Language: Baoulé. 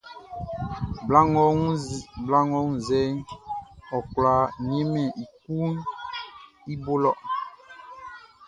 Bla ngʼɔ wunnzɛʼn, ɔ kwlá nianmɛn i kuanʼn i bo lɔ.